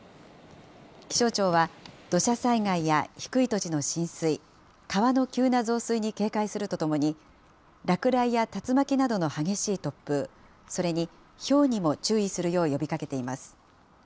気象庁は、土砂災害や低い土地の浸水、川の急な増水に警戒するとともに、落雷や竜巻などの激しい突風、それにひょうにも注意するよう呼びかけています。